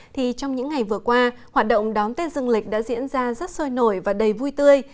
thì trong những ngày vừa qua hoạt động đón tết dương lịch đã diễn ra rất sôi nổi và đầy vui tươi